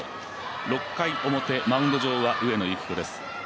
６回表、マウンド上は上野由岐子です。